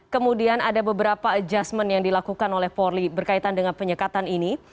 kemudian ada beberapa adjustment yang dilakukan oleh polri berkaitan dengan penyekatan ini